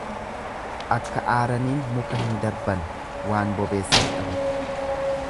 Akka aaraniin muka hin darban waan bobeessan dhaban.